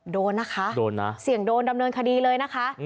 โดนนะคะโดนนะเสี่ยงโดนดำเนินคดีเลยนะคะ